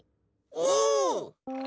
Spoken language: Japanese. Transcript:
お！